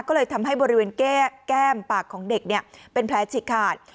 ก็เลยทำให้บริเวณแก้มปากของเด็กเป็นแผลฉีกขาด